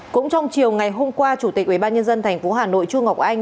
cũng trong chiều ngày hôm qua chủ tịch ubnd tp hà nội chu ngọc anh